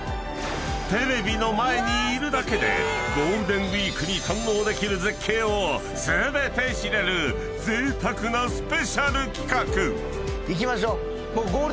［ゴールデンウイークに堪能できる絶景を全て知れるぜいたくなスペシャル企画］